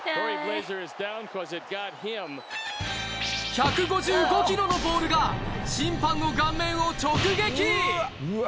１５５ｋｍのボールが審判の顔面を直撃うわ